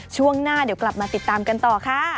ช่วงหน้าเดี๋ยวกลับมาติดตามกันต่อค่ะ